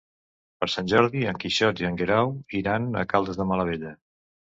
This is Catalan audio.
Per Sant Jordi en Quixot i en Guerau iran a Caldes de Malavella.